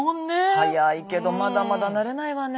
早いけどまだまだ慣れないわね。